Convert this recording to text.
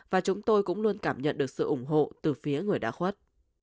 và chúng tôi cũng luôn cảm nhận được sự ủng hộ từ phía người đã khuất